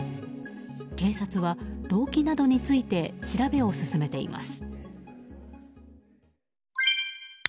警察は動機などについて調べを進めています。